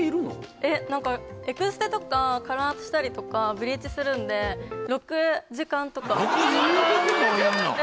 えっ何かエクステとかカラーしたりとかブリーチするんで６時間とかえ！？